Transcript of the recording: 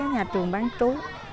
nhà trường bán chú